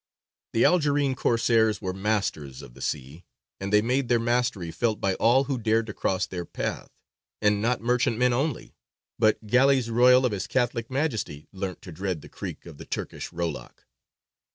The Algerine Corsairs were masters of the sea, and they made their mastery felt by all who dared to cross their path; and not merchantmen only, but galleys royal of his Catholic Majesty learnt to dread the creak of the Turkish rowlock.